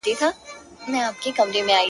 • د هر چا به ښه او بد ټوله د ځان وای -